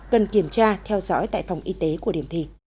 cần kiểm tra theo dõi tại phòng y tế của điểm thi